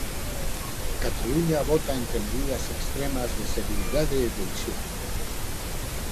Cataluña vota entre medidas extremas de seguridade e de hixiene.